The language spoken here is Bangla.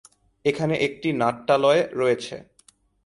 এখানে একটি নাট্যালয় রয়েছে।